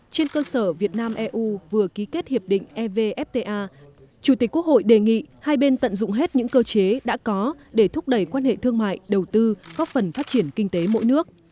trên cơ sở việt nam eu vừa ký kết hiệp định evfta chủ tịch quốc hội đề nghị hai bên tận dụng hết những cơ chế đã có để thúc đẩy quan hệ thương mại đầu tư góp phần phát triển kinh tế mỗi nước